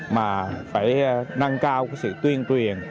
mà phải nâng cao sự tuyên truyền